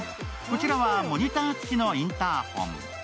こちらはモニター付きのインターフォン。